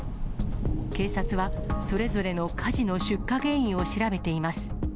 警察は、それぞれの火事の出火原因を調べています。